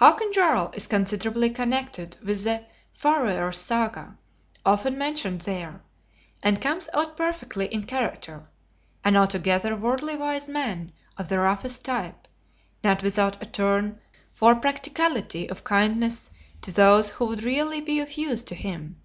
Hakon Jarl is considerably connected with the Faroer Saga often mentioned there, and comes out perfectly in character; an altogether worldly wise man of the roughest type, not without a turn for practicality of kindness to those who would really be of use to him.